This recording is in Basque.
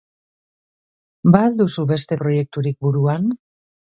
Ba al duzue beste proiekturik buruan?